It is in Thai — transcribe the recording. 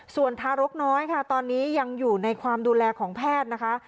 ส่วนทารกน้อยค่ะตอนนี้ยังอยู่ในความดูแลของแพทย์นะคะ